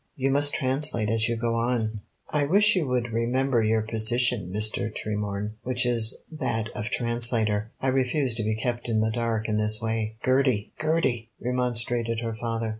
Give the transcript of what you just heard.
You must translate as you go on. I wish you would remember your position, Mr. Tremorne, which is that of translator. I refuse to be kept in the dark in this way." "Gertie, Gertie!" remonstrated her father.